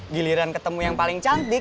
giliran ketemu yang paling cantik